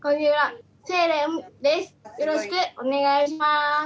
よろしくお願いします。